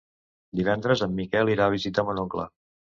Divendres en Miquel irà a visitar mon oncle.